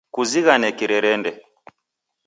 Kuzighane kirerende